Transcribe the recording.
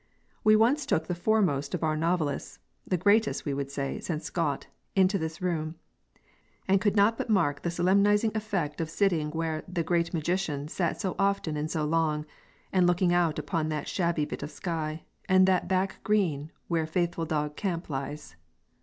We once took the foremost of our novelists the greatest, we would say, since Scott into this room, and could not but mark the solemnizing effect of sitting where the great magician sat so often and so long, and looking out upon that little shabby bit of sky, and that back green where faithful dog Camp lies.